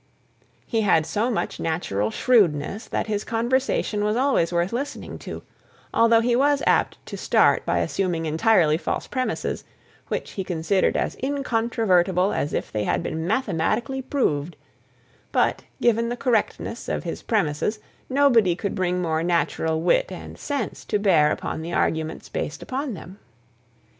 He had so much natural shrewdness, that his conversation was always worth listening to, although he was apt to start by assuming entirely false premises, which he considered as incontrovertible as if they had been mathematically proved; but, given the correctness of his premises, nobody could bring more natural wit and sense to bear upon the arguments based upon them.